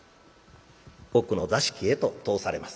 奥の座敷へと通されます。